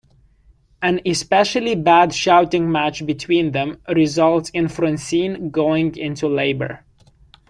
An especially bad shouting match between them results in Francine going into labor.